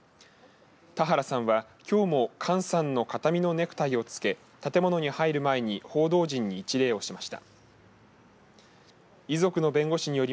田原さんは、きょうもかんさんの形見のネクタイをつけ建物に入る前に報道陣に一礼をしました。